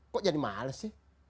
kok jadi malas sih